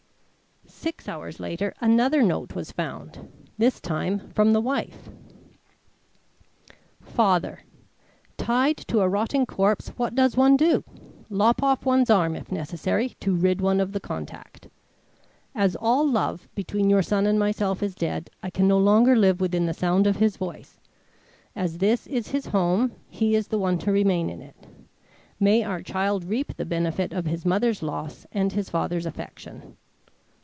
Six hours later another note was found, this time; from the wife: "FATHER: "Tied to a rotting corpse what does one do? Lop off one's arm if necessary to rid one of the contact. As all love between your son and myself is dead, I can no longer live within the sound of his voice. As this is his home, he is the one to remain in it. May our child reap the benefit of his mother's loss and his father's affection.